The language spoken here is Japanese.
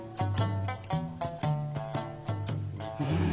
うん。